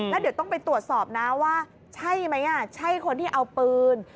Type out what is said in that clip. แล้วเดี๋ยวต้องไปตรวจสอบนะว่าใช่ไหมใช่คนที่เอาปืน